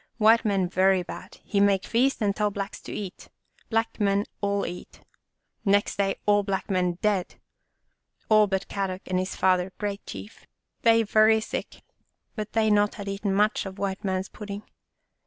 White man very bad. He make feast and tell Blacks to eat. Black men all eat. Next day all black men dead, all but Kadok and his father, great Chief. They very sick, but they not had eat much of white man's pudding.